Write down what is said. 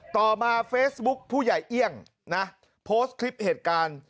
ต่อมาเฟซบุ๊คผู้ใหญ่เอี่ยงนะโพสต์คลิปเหตุการณ์